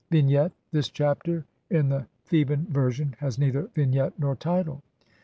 ] Vignette : This Chapter, in the Theban Version, has neither vignette nor title.